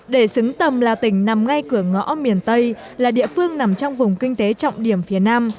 để xứng tầm là tỉnh nằm ngay cửa ngõ miền tây là địa phương nằm trong vùng kinh tế trọng điểm phía nam